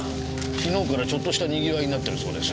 昨日からちょっとしたにぎわいになってるそうです。